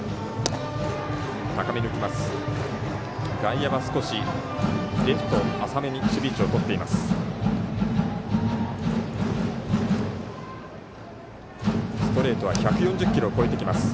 外野は少しレフト浅めの守備位置をとっています。